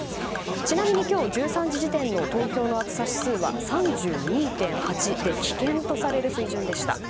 ちなみに今日１３時時点の東京の暑さ指数は３２．８で危険とされる水準でした。